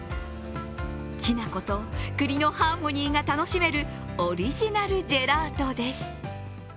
きな粉と栗のハーモニーが楽しめるオリジナルジェラートです。